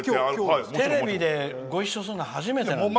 テレビでご一緒するのは初めてですよね。